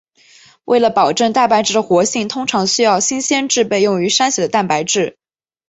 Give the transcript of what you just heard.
为了保证蛋白质的活性通常需要新鲜制备用于筛选的蛋白质。